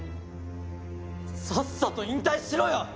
さっさと引退しろよ！